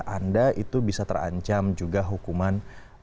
anda itu bisa terancam juga hukuman